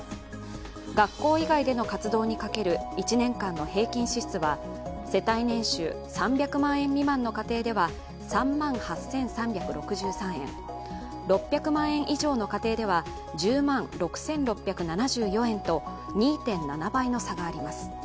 学校以外での活動にかける１年間の平均支出は世帯年収３００万円未満の家庭では３万８３６３円６００万円以上の家庭では１０万６６７４円と２．７倍の差があります